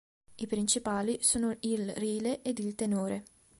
I principali sono il Rile ed il Tenore.